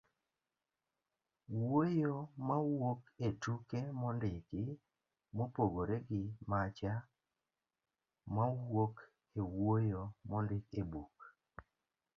wuoyo mawuok e tuke mondiki, mopogore gi macha mawuok e wuoyo mondik e buk